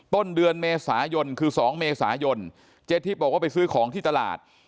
ต้นเดือนเมษายนคือ๒เมษายนเจ๊ทิพย์บอกว่าไปซื้อของที่ตลาด